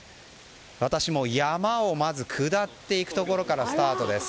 私も山を下っていくところからスタートです。